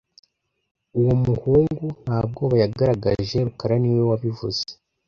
Uwo muhungu nta bwoba yagaragaje rukara niwe wabivuze